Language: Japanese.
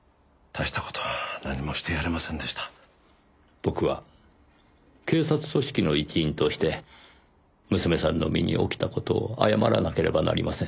僕は警察組織の一員として娘さんの身に起きた事を謝らなければなりません。